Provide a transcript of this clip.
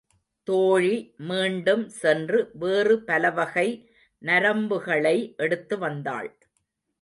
தோழி மீண்டும் சென்று வேறு பலவகை நரம்புகளை எடுத்து வந்தாள்.